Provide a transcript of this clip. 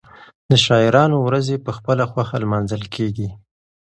د شاعرانو ورځې په خپله خوښه لمانځل کېږي.